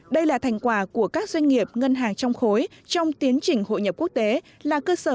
đây là thành quả của các doanh nghiệp ngân hàng trong khối trong tiến trình hội nhập quốc tế là cơ sở